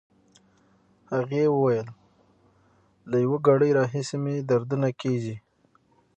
هغې وویل: له یو ګړی راهیسې مې دردونه کېږي.